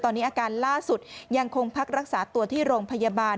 ตอนนี้อาการล่าสุดยังคงพักรักษาตัวที่โรงพยาบาล